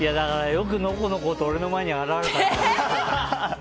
よくのこのこと俺の前に現れたな。